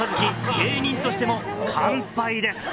芸人としても完敗です。